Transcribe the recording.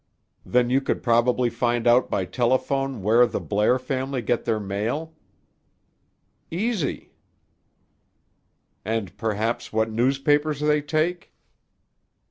"Then you could probably find out by telephone where the Blair family get their mail." "Easy!" "And perhaps what newspapers they take."